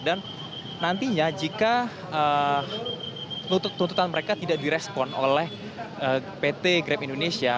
dan nantinya jika tuntutan mereka tidak direspon oleh pt grab indonesia